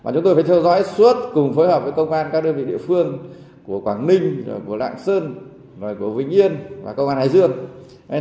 chúng tôi phải theo dõi suốt cùng phối hợp với công an các đơn vị địa phương của quảng ninh của lạng sơn của vĩnh yên và công an hải dương